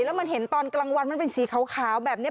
แล้วมันเห็นตอนกลางวันมันเป็นสีขาวแบบนี้